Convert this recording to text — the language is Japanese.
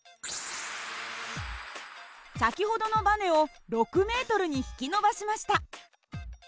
先ほどのばねを６ｍに引き伸ばしました。